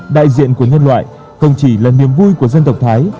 đại diện của nhân loại không chỉ là niềm vui của dân tộc thái